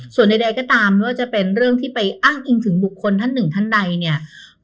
ส่วนใดก็ตามไม่ว่าจะเป็นเรื่องที่ไปอ้างอิงถึงบุคคลท่านหนึ่งท่านใดเนี่ย